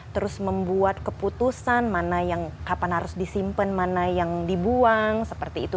terus membuat keputusan mana yang kapan harus disimpan mana yang dibuang seperti itu